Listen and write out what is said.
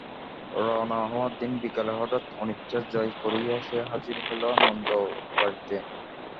রওনা হওয়ার দিন বিকালে হঠাৎ অনিচ্ছা জয় করিয়া সে হাজির হইল নন্দও বাড়িতে।